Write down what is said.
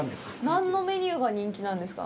何のメニューが人気なんですか？